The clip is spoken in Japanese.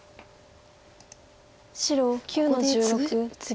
白９の十六ツギ。